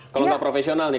kalau nggak profesional nih